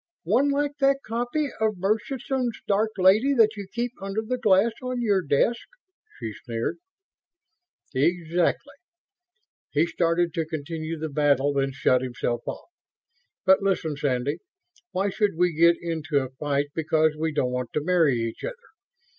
"One like that copy of Murchison's Dark Lady that you keep under the glass on your desk?" she sneered. "Exactly...." He started to continue the battle, then shut himself off. "But listen, Sandy, why should we get into a fight because we don't want to marry each other?